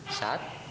kasih aja ini